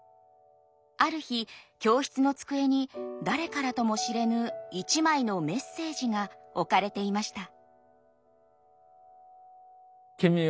ある日教室の机に誰からとも知れぬ一枚のメッセージが置かれていました。